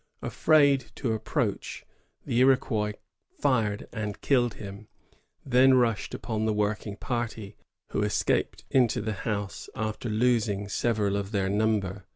Afraid to approach, the Iroquois fired and killed him; then rushed upon the working party, who escaped into the house, after losing several of their number.